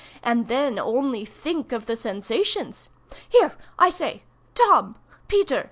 —and then only think of the sensations! Here! I say—Tom!—Peter!